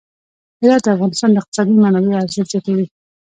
هرات د افغانستان د اقتصادي منابعو ارزښت زیاتوي.